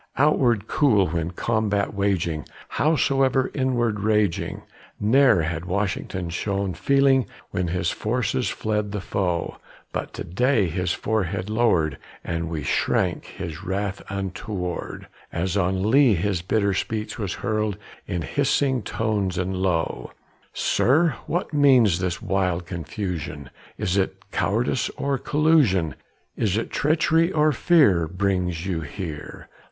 Outward cool when combat waging, howsoever inward raging, Ne'er had Washington shown feeling when his forces fled the foe; But to day his forehead lowered, and we shrank his wrath untoward, As on Lee his bitter speech was hurled in hissing tones and low: "Sir, what means this wild confusion? Is it cowardice or collusion? Is it treachery or fear brings you here?"